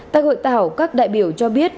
tại hội thảo các đại biểu cho biết